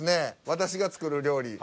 私が作る料理。